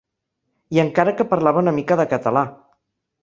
I encara que parlava una mica de català.